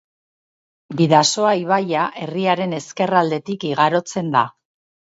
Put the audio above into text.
Bidasoa ibaia herriaren ezkerraldetik igarotzen da.